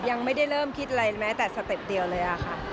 ยังไม่ได้เริ่มคิดอะไรแม้แต่สเต็ปเดียวเลยค่ะ